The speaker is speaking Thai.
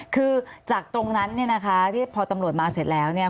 คือจากตรงนั้นเนี่ยนะคะที่พอตำรวจมาเสร็จแล้วเนี่ย